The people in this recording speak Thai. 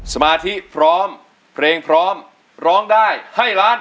สมาธิพร้อมเพลงพร้อมร้องได้ให้ล้าน